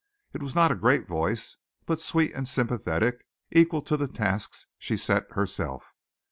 It was not a great voice, but sweet and sympathetic, equal to the tasks she set herself.